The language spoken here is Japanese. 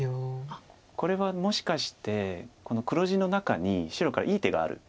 これはもしかしてこの黒地の中に白からいい手がある。